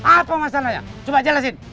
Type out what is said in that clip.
apa masalahnya coba jelasin